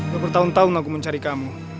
udah bertahun tahun aku mencari kamu